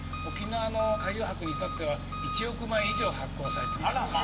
沖縄の海洋博にいたっては１億枚以上発行されています。